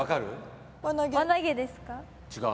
違う！